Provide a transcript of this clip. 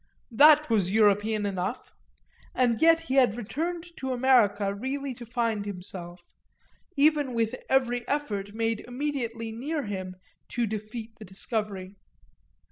That was European enough, and yet he had returned to America really to find himself, even with every effort made immediately near him to defeat the discovery.